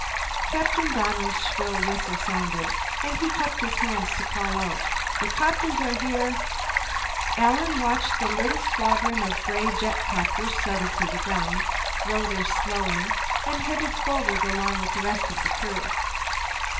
Captain Donnell's shrill whistle sounded, and he cupped his hands to call out, "The copters are here!" Alan watched the little squadron of gray jetcopters settle to the ground, rotors slowing, and headed forward along with the rest of the Crew.